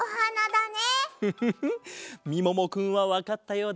フフフッみももくんはわかったようだぞ。